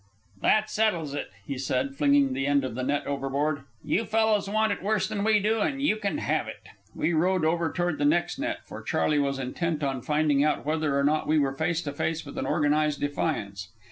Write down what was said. "That settles it," he said, flinging the end of the net overboard. "You fellows want it worse than we do, and you can have it." We rowed over toward the next net, for Charley was intent on finding out whether or not we were face to face with an organized defiance.